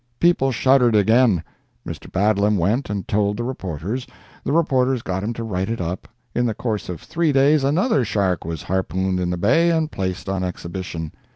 People shuddered again. Mr. Badlam went and told the reporters; the reporters got him to write it up. In the course of three days another shark was harpooned in the Bay and placed on exhibition.